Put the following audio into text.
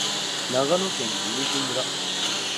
長野県売木村